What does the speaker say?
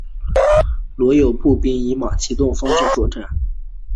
夥友步兵以马其顿方阵作战。